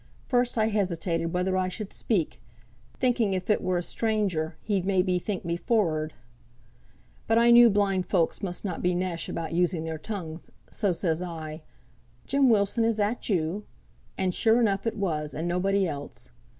First I hesitated whether I should speak, thinking if it were a stranger he'd may be think me forrard. But I knew blind folks must not be nesh about using their tongues, so says I, 'Jem Wilson, is that you?' And sure enough it was, and nobody else.